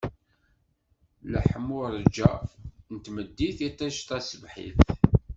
Leḥmuṛegga n tmeddit, iṭij taṣebḥit.